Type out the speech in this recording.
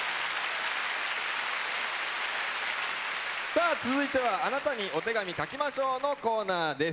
さあ続いては「あなたにお手紙書きましょう」のコーナーです。